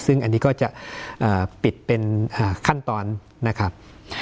ซึ่งอันนี้ก็จะปิดเป็นขั้นตอนนะครับ